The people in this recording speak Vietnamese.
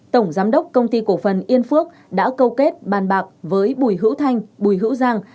tổng giám đốc công ty cổ phần yên phước đã câu kết bàn bạc với bùi hữu thanh bùi hữu giang